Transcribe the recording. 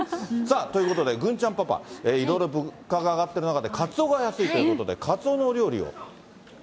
ということで、郡ちゃんパパ、いろいろ物価が上がってる中でカツオが安いということで、カツオおっ？